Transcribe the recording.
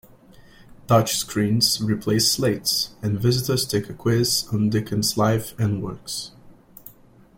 Touch-screens replace slates, and visitors take a quiz on Dickens' life and works.